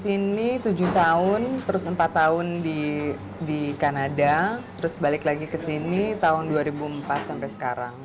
ini tujuh tahun terus empat tahun di kanada terus balik lagi ke sini tahun dua ribu empat sampai sekarang